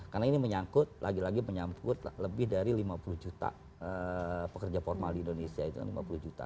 karena ini menyangkut lagi lagi menyambut lebih dari lima puluh juta pekerja formal di indonesia itu lima puluh juta